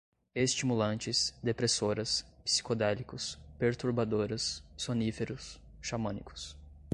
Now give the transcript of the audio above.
estimulantes, depressoras, psicodélicos, perturbadoras, soníferos, xamânicos